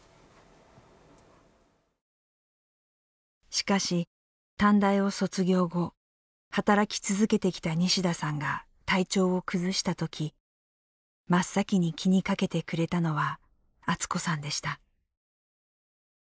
しかし、短大を卒業後働き続けてきた西田さんが体調を崩した時真っ先に気にかけてくれたのはアツ子さんでした。